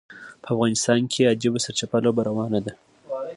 په افغانستان کې عجیبه سرچپه لوبه روانه ده.